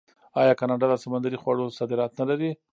آیا کاناډا د سمندري خوړو صادرات نلري؟